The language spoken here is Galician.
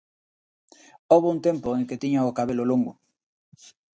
Houbo un tempo en que tiña o cabelo longo.